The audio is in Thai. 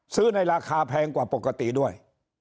ซื้อในราคาแพงกว่าปกติด้วย